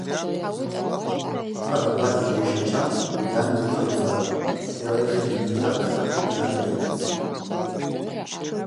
Къарабакь йджьайщачван йан йылхъайцӏатӏ, йара йшйызнийыз апшта йангьи дыдзтӏ.